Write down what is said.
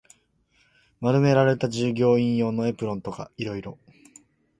丸められた従業員用のエプロンとか色々